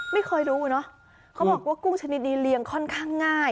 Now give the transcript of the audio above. ไม่รู้เนอะเขาบอกว่ากุ้งชนิดนี้เลี้ยงค่อนข้างง่าย